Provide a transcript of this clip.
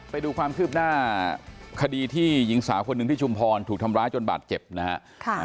ไปดูความคืบหน้าคดีที่หญิงสาวคนหนึ่งที่ชุมพรถูกทำร้ายจนบาดเจ็บนะฮะ